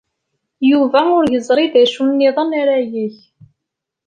Yuba ur yeẓri d acu niḍen ara yeg.